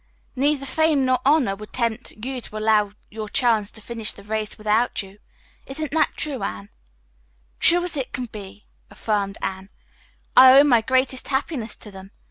"Neither fame nor honor would tempt you to allow your chums to finish the race without you. Isn't that true, Anne?" "True as can be," affirmed Anne. "I owe my greatest happiness to them.